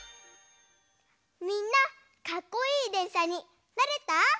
みんなかっこいいでんしゃになれた？